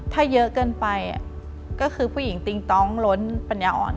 ถ้าเยอะเกินไปก็คือผู้หญิงติ้งต้องล้นปัญญาอ่อน